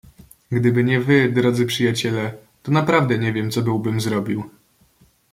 "Gdyby nie wy, drodzy przyjaciele, to naprawdę nie wiem, co byłbym zrobił."